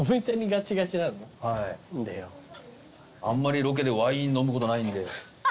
あんまりロケでワイン飲むことないんで。